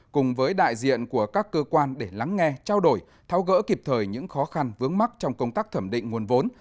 cùng với đại diện của các cơ quan để lắng nghe trao đổi tháo gỡ kịp thời những khó khăn vướng mắt trong công tác thẩm định nguồn vốn